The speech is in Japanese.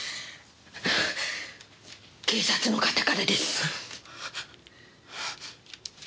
警察の方からです。